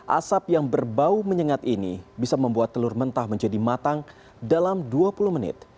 asap yang berbau menyengat ini bisa membuat telur mentah menjadi matang dalam dua puluh menit